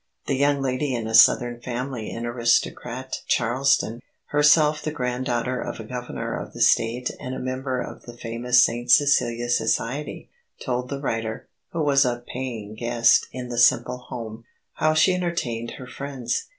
The young lady in a southern family in aristocraite Charleston, herself the granddaughter of a governor of the state and a member of the famous St. Cecilia Society, told the writer, who was a "paying guest" in the simple home, how she entertained her friends.